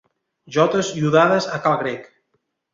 Jotes iodades a cal Grec.